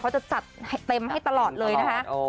จะจัดเต็มให้ตลอดเลยนะคะ